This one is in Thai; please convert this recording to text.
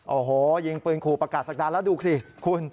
โอ้โหยิงปืนขู่ประกาศศักดาแล้วดูสิคุณ